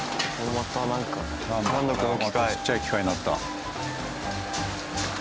またちっちゃい機械になった。